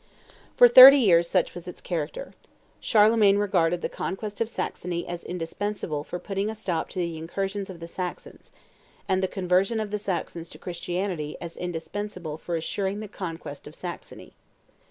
For thirty years such was its character. Charlemagne regarded the conquest of Saxony as indispensable for putting a stop to the incursions of the Saxons, and the conversion of the Saxons to Christianity as indispensable for assuring the conquest of Saxony.